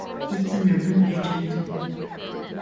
It’s an urban legend.